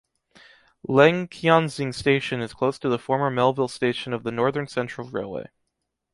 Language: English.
Lengquanxiang station is close to the former Melville station of the Northern Central Railway.